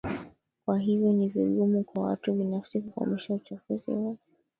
Kwa hiyo ni vigumu kwa watu binafsi kukomesha uchafuzi wa